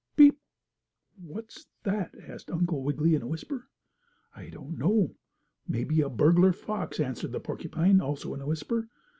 Peep!" "What's that?" asked Uncle Wiggily in a whisper. "I don't know. Maybe a burglar fox," answered the porcupine also, in a whisper.